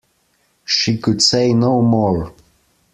She could say no more.